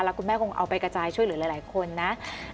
และคุณแม่วันนี้จะเอาไปกระจายช่วยเหลือหลายคนนะ